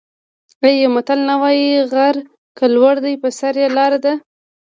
آیا یو متل نه وايي: غر که لوړ دی په سر یې لاره ده؟